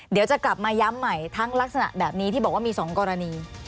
เดี๋ยวจะกลับมาย้ำใหม่ทั้งลักษณะแบบนี้ที่บอกว่ามี๒กรณี